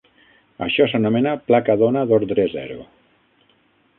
Això s'anomena "placa d'ona d'ordre zero".